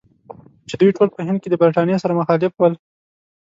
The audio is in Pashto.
چې دوی ټول په هند کې له برټانیې سره مخالف ول.